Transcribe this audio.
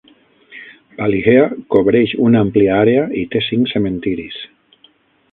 Ballyhea cobreix una àmplia àrea i té cinc cementiris.